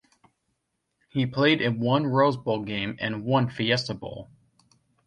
He played in one Rose Bowl Game and one Fiesta Bowl.